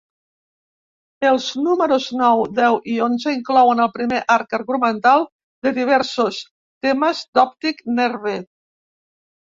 Els números nou, deu i onze inclouen el primer arc argumental de diversos temes d'Optic Nerve.